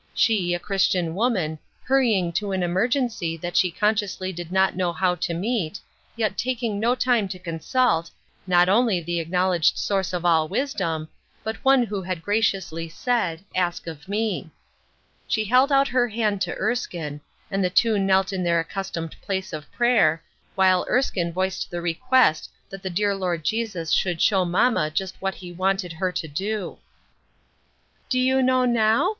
She, a Christian woman, hurrying to an emergency that she consciously did not know how to meet, yet taking no time to consult, not only the acknowl edged Source of all wisdom, but One who had graciously said, " Ask of Me." She held out her hand to Erskine, and the two knelt in their accus tomed place of prayer, while Erskine voiced the request that the dear Lord Jesus would show mamma just what He wanted her to do. " Do you know now ?"